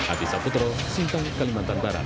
adisa putro sintang kalimantan barat